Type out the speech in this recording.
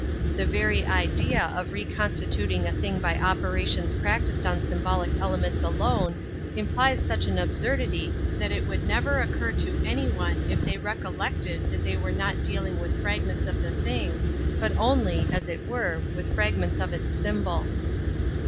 The very idea of reconstituting a thing by operations practised on symbolic elements alone implies such an absurdity that it would never occur to any one if they recollected that they were not dealing with fragments of the thing, but only, as / it were, with fragments of its symbol.